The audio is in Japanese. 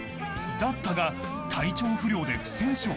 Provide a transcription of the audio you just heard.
だったが、体調不良で不戦勝。